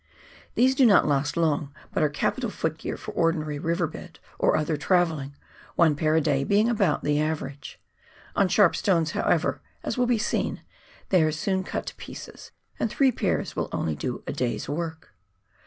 These do not last long, but are capital foot gear for ordinary river bed or other travelling, one pair a day being about the average ; on sharp stones, however — as will be seen — they are soon cut to pieces, and three pairs will only do a day's work.